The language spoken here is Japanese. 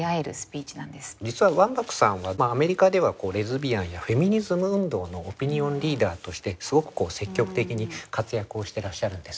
実はワンバックさんはアメリカではレズビアンやフェミニズム運動のオピニオンリーダーとしてすごく積極的に活躍をしてらっしゃるんですね。